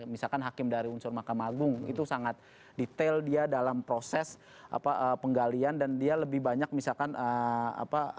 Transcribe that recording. misalkan hakim dari unsur mahkamah agung itu sangat detail dia dalam proses penggalian dan dia lebih banyak misalkan apa